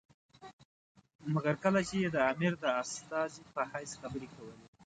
مګر کله چې یې د امیر د استازي په حیث خبرې کولې.